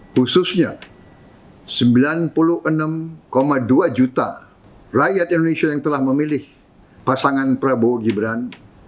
khususnya sembilan puluh enam dua juta rakyat indonesia yang telah memilih pasangan prabowo gibran